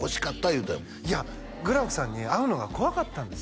言うたんやもんいやグラフさんに会うのが怖かったんですよ